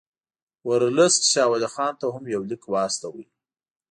ورلسټ شاه ولي خان ته هم یو لیک واستاوه.